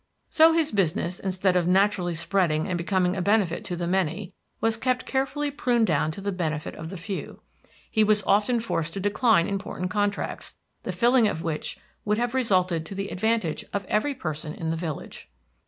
So his business, instead of naturally spreading and becoming a benefit to the many, was kept carefully pruned down to the benefit of the few. He was often forced to decline important contracts, the filling of which would have resulted to the advantage of every person in the village.